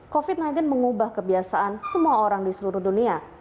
covid sembilan belas mengubah kebiasaan semua orang di seluruh dunia